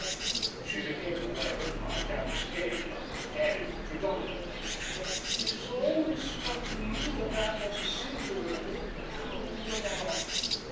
She became aware of my doubts again, and added predominantly, "It has always struck me that that was a Singularly True Remark."